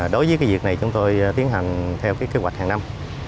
đối với việc này chúng tôi tiến hành theo cái kế hoạch hàng năm